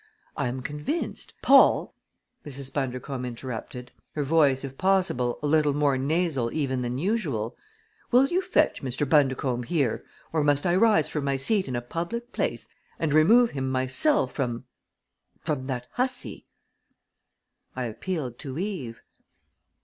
I am convinced " "Paul," Mrs. Bundercombe interrupted, her voice if possible a little more nasal even than usual, "will you fetch Mr. Bundercombe here, or must I rise from my seat in a public place and remove him myself from from that hussy?" I appealed to Eve.